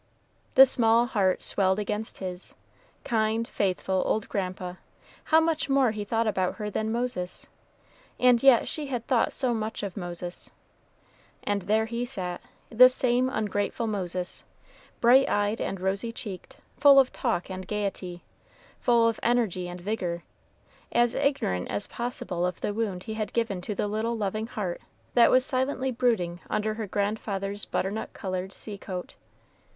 The small heart swelled against his. Kind, faithful old grandpa! how much more he thought about her than Moses; and yet she had thought so much of Moses. And there he sat, this same ungrateful Moses, bright eyed and rosy cheeked, full of talk and gayety, full of energy and vigor, as ignorant as possible of the wound he had given to the little loving heart that was silently brooding under her grandfather's butternut colored sea coat.